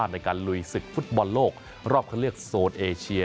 ในการลุยศึกฟุตบอลโลกรอบคันเลือกโซนเอเชีย